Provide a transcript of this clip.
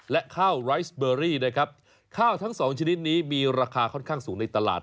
และข้าวไรซเบอรี่นะครับข้าวทั้งสองชนิดนี้มีราคาค่อนข้างสูงในตลาด